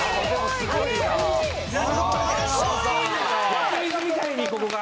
湧き水みたいにここが。